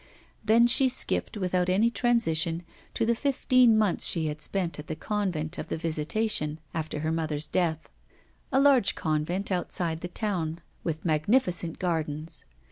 Then she skipped, without any transition, to the fifteen months she had spent at the Convent of the Visitation after her mother's death a large convent, outside the town, with magnificent gardens.